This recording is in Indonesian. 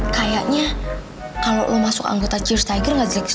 kayaknya kalau lo masuk anggota cheers tiger gak jelek jelek amat kok